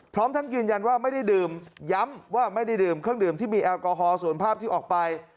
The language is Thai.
พร้อมทั้งยืนยันว่าไม่ได้ดื่มย้ำว่าไม่ได้ดื่มเครื่องดื่มที่มีแอลกอฮอลส่วนภาพที่ออกไป